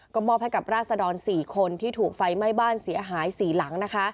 ก็มอบให้กับราศดร๔คนที่ถูกไฟไหม้บ้านเสียหาย๔หลังนะคะ